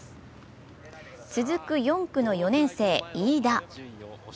続く４区の４年生・飯田。